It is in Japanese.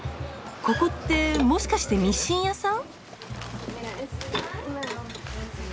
ここってもしかしてミシン屋さん？